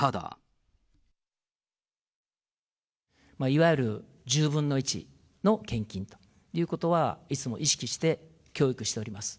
いわゆる１０分の１の献金ということは、いつも意識して教育しております。